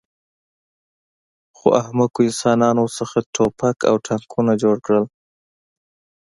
خو احمقو انسانانو ورڅخه ټوپک او ټانکونه جوړ کړل